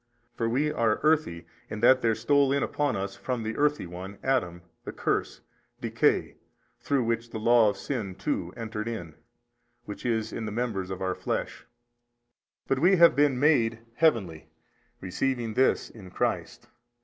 For we are earthy, in that there stole in upon us as from the earthy one, Adam, the curse, decay, through which the law of sin too entered in, which is in the members of our flesh: but we have been MADE heavenly, receiving this in Christ.